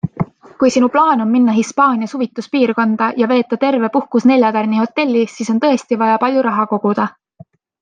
Kui sinu plaan on minna Hispaania suvituspiirkonda ja veeta terve puhkus neljatärnihotellis, siis on tõesti vaja palju raha koguda.